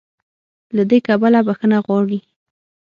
له دې کبله "بخښنه غواړي"